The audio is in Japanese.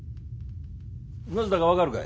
なぜだか分かるかい？